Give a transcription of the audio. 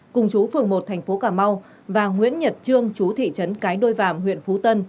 cùng chú phường một tp cm và nguyễn nhật trương chú thị trấn cái đôi vảm huyện phú tân